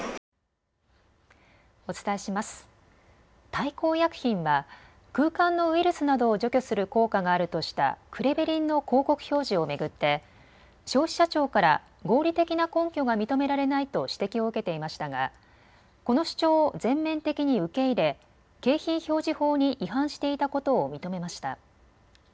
大幸薬品は空間のウイルスなどを除去する効果があるとしたクレベリンの広告表示を巡って消費者庁から合理的な根拠が認められないと指摘を受けていましたが、この主張を全面的に受け入れ、景品表示法に違反していたことを認めました。